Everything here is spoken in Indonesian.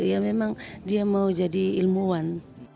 ya memang dia mau jadi ilmuwan